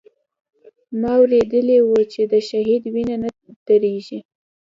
ما اورېدلي و چې د شهيد وينه نه درېږي.